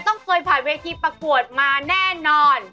ต้องเคยผ่านเวทีประกวดมาแน่นอน